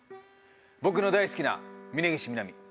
「僕の大好きな峯岸みなみ」。